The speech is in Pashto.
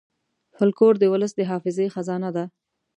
فلکور د ولس د حافظې خزانه ده.